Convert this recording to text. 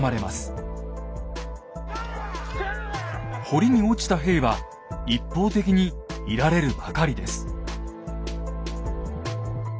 堀に落ちた兵は一方的に射られるばかりです。